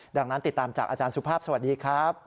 ดังนั้นติดตามจากอาจารย์สุภาพสวัสดีครับ